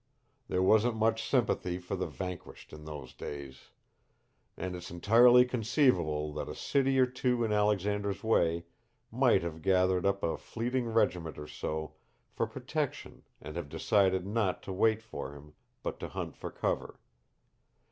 There wasn't much sympathy for the vanquished in those days. And it's entirely conceivable that a city or two in Alexander's way might have gathered up a fleeting regiment or so for protection and have decided not to wait for him, but to hunt for cover.